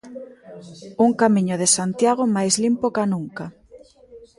Un Camiño de Santiago máis limpo ca nunca.